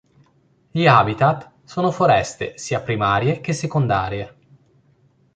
Gli habitat sono foreste, sia primarie che secondarie.